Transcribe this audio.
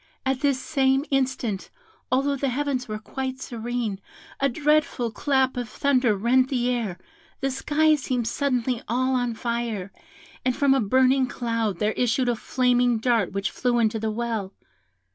at this same instant, although the heavens were quite serene, a dreadful clap of thunder rent the air, the sky seemed suddenly all on fire, and from a burning cloud there issued a flaming dart which flew into the well.